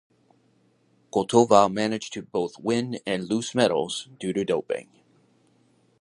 Kotova managed to both win and lose medals due to doping.